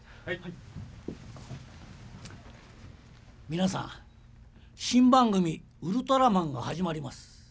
皆さん新番組「ウルトラマン」が始まります。